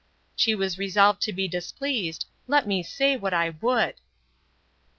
She was resolved to be displeased, let me say what I would.